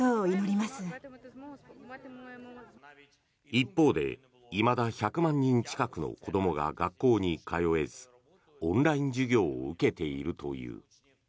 一方でいまだ１００万人近くの子どもが学校に通えずオンライン授業を受けているという。